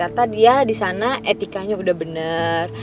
harus kata dia disana etikanya udah bener